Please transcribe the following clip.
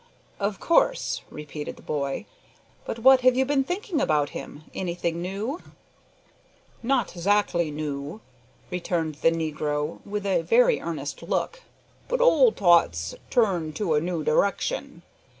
"Of course," repeated the boy, "but what have you been thinking about him anything new?" "Not zackly noo," returned the negro, with a very earnest look, "but ole t'oughts turned in a noo d'rection.